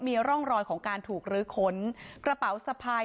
มีร่องรอยของการถูกลื้อค้นกระเป๋าสะพาย